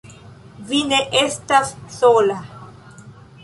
Vi ne estas sola!